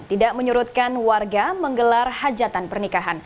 tidak menyurutkan warga menggelar hajatan pernikahan